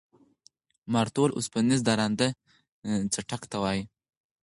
مارتول اوسپنیز درانده څټک ته وایي.